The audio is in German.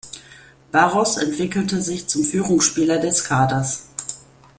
Barros entwickelte sich zum Führungsspieler des Kaders.